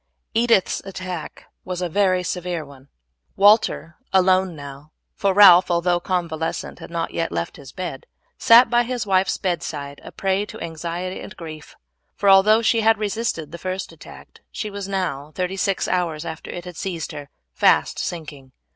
Edith's attack was a very severe one. Walter, alone now, for Ralph, although convalescent, had not yet left his bed, sat by his wife's bedside a prey to anxiety and grief; for although she had resisted the first attack she was now, thirty six hours after it had seized her, fast sinking.